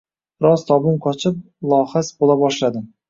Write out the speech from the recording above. Biroz tobim qochib, lohas bo`la boshladim